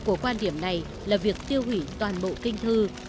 kết cục của quan điểm này là việc tiêu hủy toàn bộ kinh thư